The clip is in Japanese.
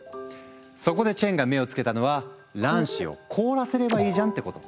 そこでチェンが目を付けたのは卵子を凍らせればいいじゃんってこと。